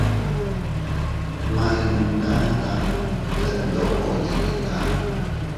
Ma iynunata detndoʼo yiʼita.